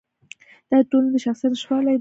دا د ټولنې د شخصیت نشتوالی دی.